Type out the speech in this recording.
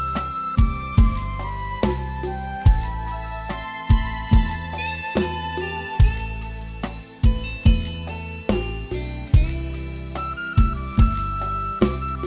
สวัสดีครับ